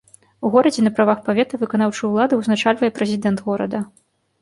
У горадзе на правах павета выканаўчую ўладу ўзначальвае прэзідэнт горада.